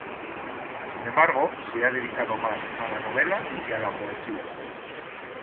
Sin embargo, se ha dedicado más a la novela que a la poesía.